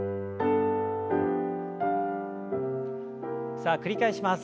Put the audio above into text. さあ繰り返します。